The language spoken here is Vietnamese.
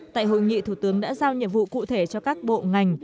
tại hội nghị thủ tướng đã giao nhiệm vụ cụ thể cho các bộ ngành